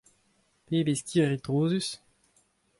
Pebezh kirri trouzus !